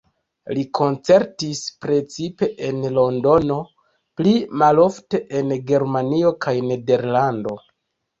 Li koncertis precipe en Londono, pli malofte en Germanio kaj Nederlando.